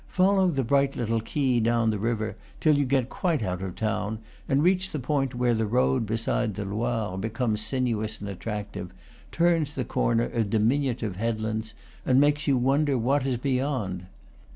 Follow the bright little quay down the river till you get quite out of the town, and reach the point where the road beside the Loire be comes sinuous and attractive, turns the corner of dimi nutive headlands, and makes you wonder what is be yond.